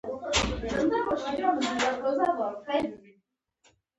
د احمد شاه مسعود کورنۍ اعتبار هم د عبدالله لپاره کارت نه دی.